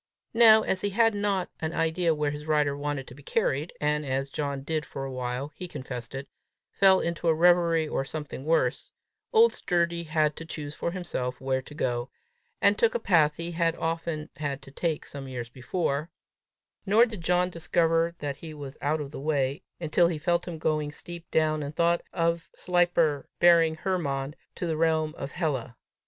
Now as he had not an idea where his rider wanted to be carried, and as John did for a while he confessed it fall into a reverie or something worse, old Sturdy had to choose for himself where to go, and took a path he had often had to take some years before; nor did John discover that he was out of the way, until he felt him going steep clown, and thought of Sleipner bearing Hermod to the realm of Hela.